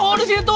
oh di situ